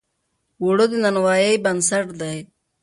اوړه د نانوایۍ بنسټ دی